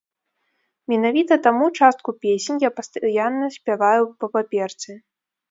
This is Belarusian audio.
Менавіта таму частку песень я пастаянна спяваю па паперцы.